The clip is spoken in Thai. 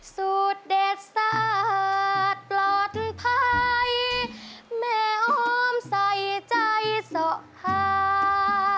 สูตรเด็ดสาดปลอดภัยแม่อ้อมใส่ใจสะพา